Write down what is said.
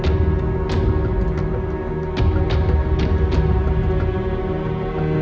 ที่สุดท้ายที่สุดท้าย